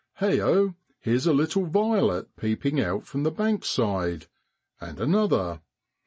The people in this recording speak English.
Heigho ! here's a little violet peeping out from the bank side, and another.